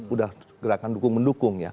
udah gerakan dukung mendukung ya